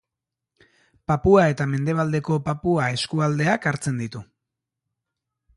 Papua eta Mendebaldeko Papua eskualdeak hartzen ditu.